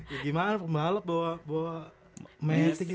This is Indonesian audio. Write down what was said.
ya gimana pembalap bawa meja kayak gini